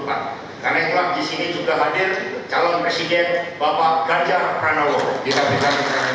karena itu di sini juga hadir calon presiden bapak ganjar pranowo